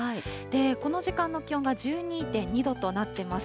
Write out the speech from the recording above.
この時間の気温が１２．２度となってます。